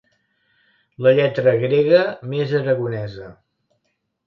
La lletra grega més aragonesa.